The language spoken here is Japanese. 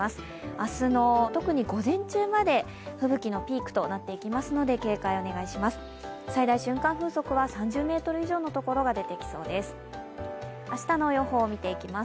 明日の特に午前中まで吹雪のピークとなっていきますので警戒をお願いします。